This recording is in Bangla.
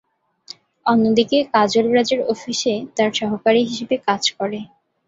অন্যদিকে কাজল রাজের অফিসে তার সহকারী হিসেবে কাজ করে।